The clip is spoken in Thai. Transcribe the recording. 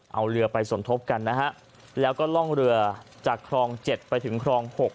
เอาเรือไปสมทบกันนะฮะแล้วก็ล่องเรือจากคลอง๗ไปถึงครอง๖